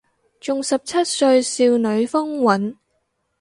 仲十七歲少女風韻